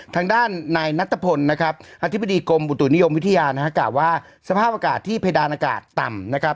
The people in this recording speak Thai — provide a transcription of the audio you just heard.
ทางด้านนายนัทพลนะครับอธิบดีกรมอุตุนิยมวิทยานะฮะกล่าวว่าสภาพอากาศที่เพดานอากาศต่ำนะครับ